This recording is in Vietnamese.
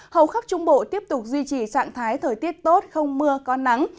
hầu khắp trung bộ tiếp tục duy trì trạng thái thời tiết tốt không mưa có nắng